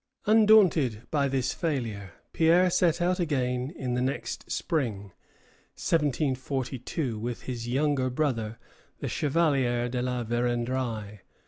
1744_] Undaunted by this failure, Pierre set out again in the next spring, 1742, with his younger brother, the Chevalier de la Vérendrye.